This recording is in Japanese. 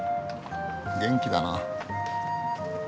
元気だな。